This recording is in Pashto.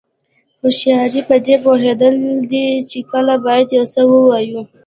هوښیاري پدې پوهېدل دي چې کله باید یو څه ووایو.